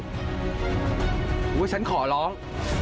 ผมว่าฉันขอร้อง